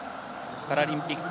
パラリンピック